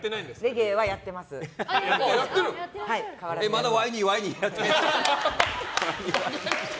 まだワイニーワイニーやってるの？